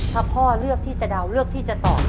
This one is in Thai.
ถ้าพ่อเลือกที่จะเดาเลือกที่จะตอบ